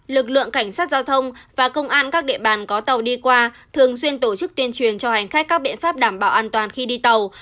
lực lượng cảnh sát giao thông và công an các địa bàn có tàu đi qua thường xuyên tổ chức tuyên truyền cho hành khách các biện pháp đảm bảo an toàn khi đi tàu